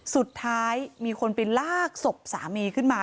สุดท้ายมีคนไปลากศพสามีขึ้นมา